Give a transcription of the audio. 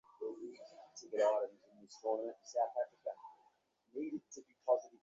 জিম্মিকারীরা রেস্তোরাঁটিতে ঢোকার পর সুমন দোতলার ছাদ থেকে লাফিয়ে বের হয়েছিলেন।